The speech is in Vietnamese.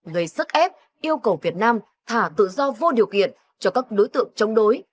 gây sức ép yêu cầu việt nam thả tự do vô điều kiện cho các đối tượng chống đối